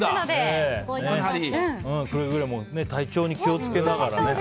くれぐれも体調に気を付けながらね。